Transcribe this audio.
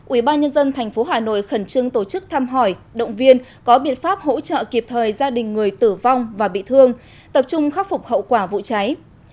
một ủy ban nhân dân tp hà nội khẩn trương tổ chức thăm hỏi động viên có biện pháp hỗ trợ kịp thời gia đình người tử vong và bị thương tập trung khắc phục hậu quả vụ cháy